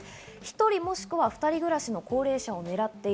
１人、もしくは２人暮らしの高齢者を狙っている。